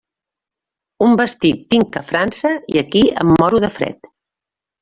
Un vestit tinc a França, i aquí em moro de fred.